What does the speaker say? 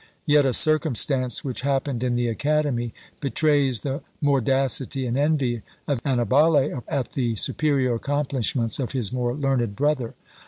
Yet a circumstance which happened in the academy betrays the mordacity and envy of Annibalo at the superior accomplishments of his more learned brother.